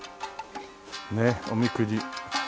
ねっおみくじ。